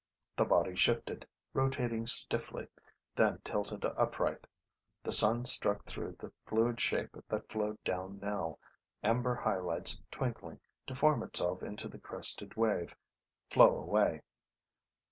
The body shifted, rotating stiffly, then tilted upright. The sun struck through the fluid shape that flowed down now, amber highlights twinkling, to form itself into the crested wave, flow away.